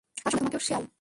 তার সঙ্গে তোমাকেও, শেয়াল।